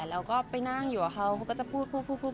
แล้วก็ไปนั่งอยู่กับเขาก็จะพูด